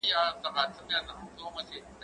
زه به سبا سينه سپين کوم،